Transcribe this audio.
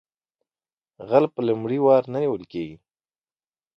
غل په لومړي وار نه نیول کیږي